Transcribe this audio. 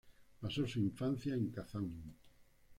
Pasó su infancia en Kazán.